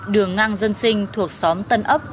đường ngang dân sinh thuộc xóm tân ấp